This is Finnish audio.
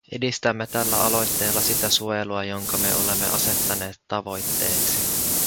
Edistämme tällä aloitteella sitä suojelua, jonka me olemme asettaneet tavoitteeksi.